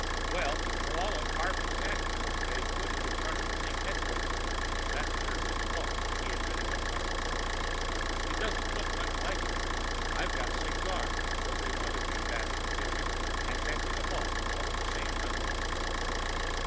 "Well, Moahlo carved a statue and they've put it in front of league headquarters that's their city hall," he admitted uncomfortably. "It doesn't look much like me. I've got six arms because they wanted me batting, pitching and catching a ball all at the same time."